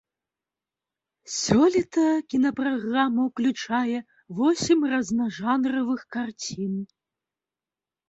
Сёлета кінапраграма ўключае восем разнажанравых карцін.